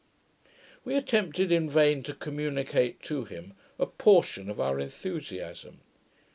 We attempted in vain to communicate to him a portion of our enthusiasm.